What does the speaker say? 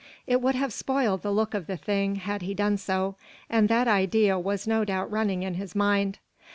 It would have spoiled the look of the thing, had he done so; and that idea was no doubt running in his mind.